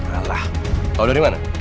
alah tau dari mana